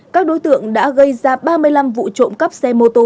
các đối tượng đã gây ra ba mươi năm vụ trộm cắp xe mô tô